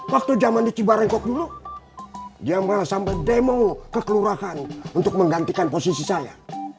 waktu zaman di cibarengkok dulu dia malah sampai demo ke kelurahan untuk menggantikan posisi saya